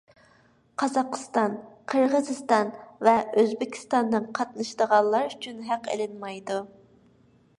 قازاقىستان، قىرغىزىستان ۋە ئۆزبېكىستاندىن قاتنىشىدىغانلار ئۈچۈن ھەق ئېلىنمايدۇ.